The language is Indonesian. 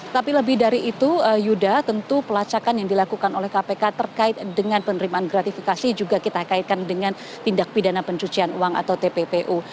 tapi lebih dari itu yuda tentu pelacakan yang dilakukan oleh kpk terkait dengan penerimaan gratifikasi juga kita kaitkan dengan tindak pidana pencucian uang atau tppu